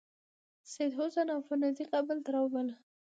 سیدحسن افندي کابل ته راوباله.